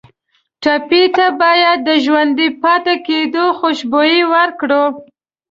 ټپي ته باید د ژوندي پاتې کېدو خوشبويي ورکړو.